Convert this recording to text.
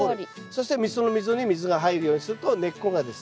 そしてその溝に水が入るようにすると根っこがですね